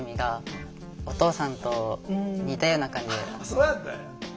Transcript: そうやったんや。